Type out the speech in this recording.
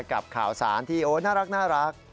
กับข่าวสารที่โอ้น่ารัก